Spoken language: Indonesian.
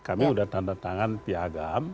kami sudah tanda tangan piagam